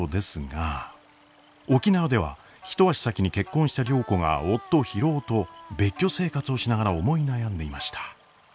沖縄では一足先に結婚した良子が夫博夫と別居生活をしながら思い悩んでいました。